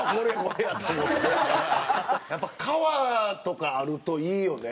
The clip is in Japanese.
やっぱ川とかあるといいよね。